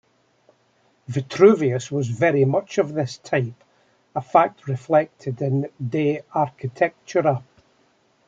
Vitruvius was very much of this type, a fact reflected in "De architectura".